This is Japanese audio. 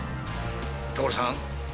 所さん！